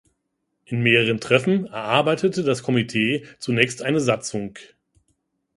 In mehreren Treffen erarbeitete das Komitee zunächst eine Satzung.